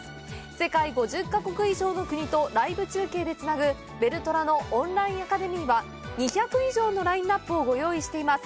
世界５０ヵ国以上の国とライブ中継でつなぐベルトラのオンラインアカデミーは２００以上のラインナップをご用意しています